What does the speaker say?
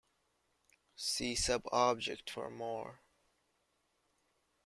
See subobject for more.